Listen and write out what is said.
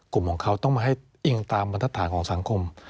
กลุ่มของเขาต้องมาให้อิงตามบรรทฐานของสังคม